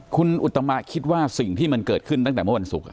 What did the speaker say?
คุณอุตมะคิดว่าสิ่งที่มันเกิดขึ้นตั้งแต่เมื่อวันศุกร์